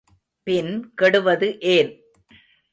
பின் கெடுவது ஏன்?